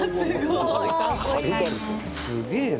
すげえな！